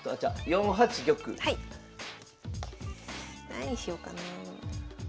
何しようかな。